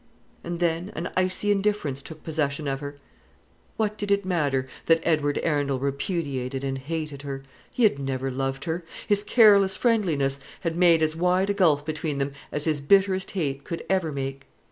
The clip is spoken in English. And then an icy indifference took possession of her. What did it matter that Edward Arundel repudiated and hated her? He had never loved her. His careless friendliness had made as wide a gulf between them as his bitterest hate could ever make.